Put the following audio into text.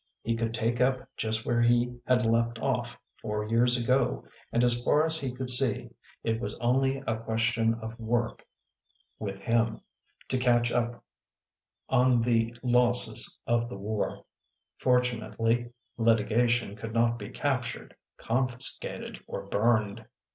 He could take up just where he had left off four years ago and as far as he could see, it was only a question of work WALKING THE RAINBOW 113 with him, to catch up on the losses of the war. Fortu nately, litigation could not be captured, confiscated or burned.